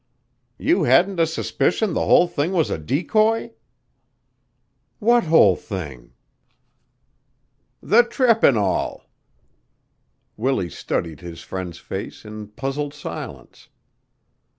"You hadn't a suspicion the whole thing was a decoy?" "What whole thing?" "The trip an' all." Willie studied his friend's face in puzzled silence.